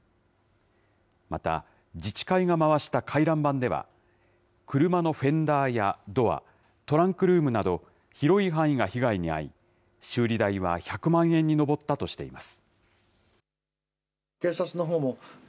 また、自治会が回した回覧板では、車のフェンダーやドア、トランクルームなど、広い範囲が被害に遭い、修理代は１００万円に上ったとしています。